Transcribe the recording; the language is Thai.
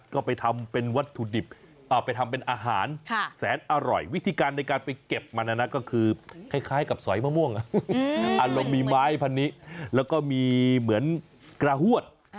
ก็คือคล้ายกับสอยมะม่วงมีไม้พันธุ์และมีเหมือนกระหวัด